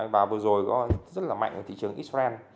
và vừa rồi rất là mạnh ở thị trường israel